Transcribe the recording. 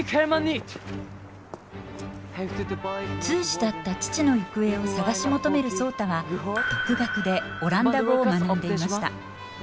通詞だった父の行方を探し求める壮多は独学でオランダ語を学んでいました。